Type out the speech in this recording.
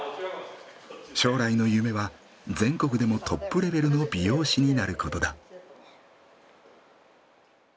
将来の夢は全国でもトップレベルの美容師になることだ。